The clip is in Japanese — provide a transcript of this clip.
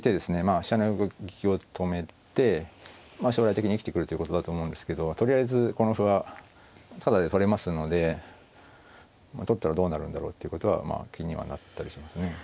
飛車の横利きを止めて将来的に生きてくるということだと思うんですけどとりあえずこの歩はタダで取れますので取ったらどうなるんだろうっていうことはまあ気にはなったりしますね。